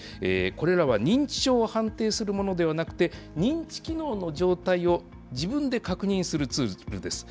これらは認知症を判定するものではなくて、認知機能の状態を自分で確認するツールです。